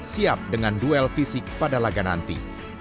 siap dengan duel fisik pada laga nanti